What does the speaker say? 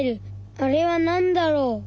あれはなんだろう。